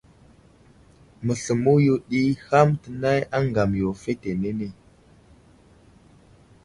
Məsləmo yo ɗi ham tənay aŋgam yo fetenene.